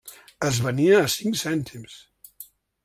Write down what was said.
Es venia a cinc cèntims.